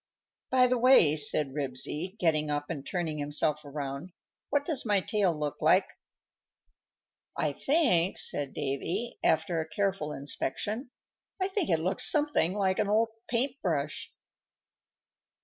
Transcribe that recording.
_ "By the way," said Ribsy, getting up and turning himself around, "what does my tail look like?" "I think," said Davy, after a careful inspection, "I think it looks something like an old paint brush."